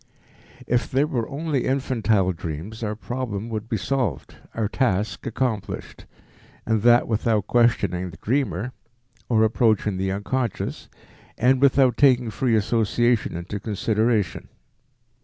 If there were only infantile dreams, our problem would be solved, our task accomplished, and that without questioning the dreamer, or approaching the unconscious, and without taking free association into consideration.